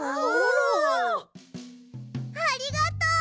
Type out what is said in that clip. ありがとう。